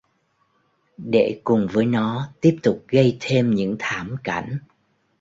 Để cùng với nó tiếp tục gây thêm những thảm cảnh